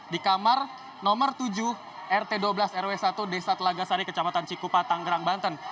di kamar nomor tujuh rt dua belas rw satu desa telaga sari kecamatan cikupa tanggerang banten